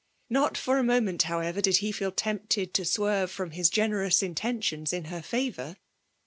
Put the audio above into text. Not for a wo^ meni, however^ did he feel tempted to swenre from his generous intentions in her favour.